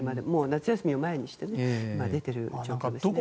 夏休みを前にして出ている状況ですね。